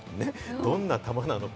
どんな球なのか。